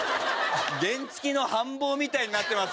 原付きの半帽みたいになってますけども。